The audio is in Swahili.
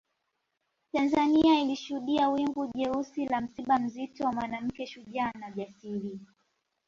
Tanzania ilishuhudia wingu jeusi la msiba mzito wa Mwanamke shujaa na jasiri